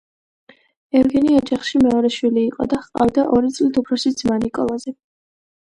ევგენი ოჯახში მეორე შვილი იყო და ჰყავდა ორი წლით უფროსი ძმა, ნიკოლოზი.